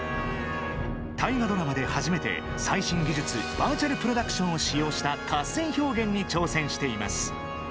大河ドラマで初めて最新技術バーチャルプロダクションを使用した合戦表現に挑戦しています。